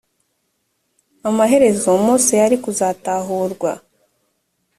amaherezo mose yari kuzatahurwa